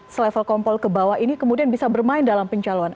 selevel kompol ke bawah ini kemudian bisa bermain dalam pencalonan